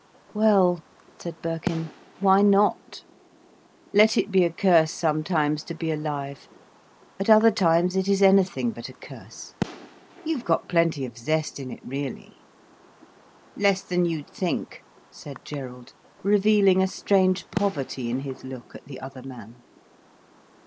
"Well," said Birkin, "why not! Let it be a curse sometimes to be alive—at other times it is anything but a curse. You've got plenty of zest in it really." "Less than you'd think," said Gerald, revealing a strange poverty in his look at the other man.